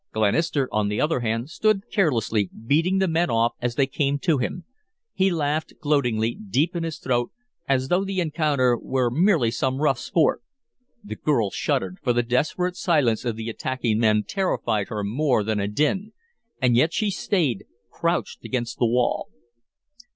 Glenister, on the other hand, stood carelessly, beating the men off as they came to him. He laughed gloatingly, deep in his throat, as though the encounter were merely some rough sport. The girl shuddered, for the desperate silence of the attacking men terrified her more than a din, and yet she stayed, crouched against the wall.